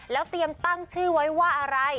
แล้วเตรียมตั้งชื่อไว้ว่าอะไร